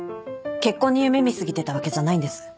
結婚に夢見過ぎてたわけじゃないんです。